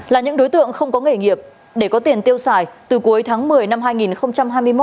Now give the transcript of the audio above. là những đối tượng không có nghề nghiệp để có tiền tiêu xài từ cuối tháng một mươi năm hai nghìn hai mươi một